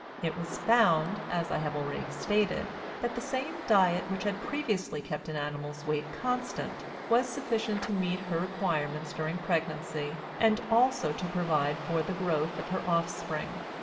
It was found, as I have already stated, that the same diet which had previously kept an animal's weight constant was sufficient to meet her requirements during pregnancy and also to provide for the growth of her offspring.